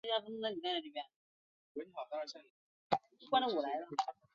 此时新生成的肿瘤血管在结构与形态上与正常的血管有很大的不同。